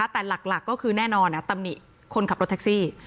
แต่หลักก็คือแน่นอนตำหนิคนขับรถแท็กซี่